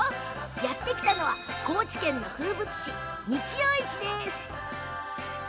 やって来たのは高知県の風物詩、日曜市です。